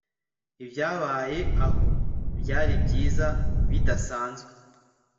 ibyabereye aho byari byiza bidasanzwe